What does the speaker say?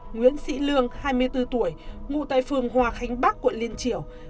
nguyễn sĩ lương hai mươi bốn tuổi ngụ tại phường hòa khánh bắc quận liên triều